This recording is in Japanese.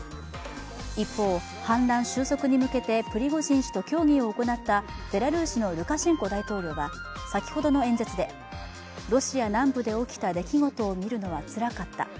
一方、反乱収束に向けてプリゴジン氏と協議を行ったベラルーシのルカシェンコ大統領は先ほどの演説でロシア南部で起きた出来事を見るのはつらかった。